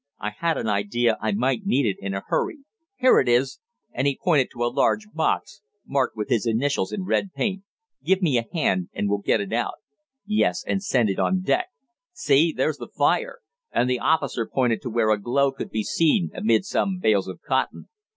"I had an idea I might need it in a hurry. Here it is!" and he pointed to a large box, marked with his initials in red paint. "Give me a hand and we'll get it out." "Yes, and send it on deck. See, there's the fire!" and the officer pointed to where a glow could be seen amid some bales of cotton.